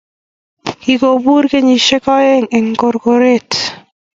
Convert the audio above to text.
kikopur kenyishiek aen en gorgoret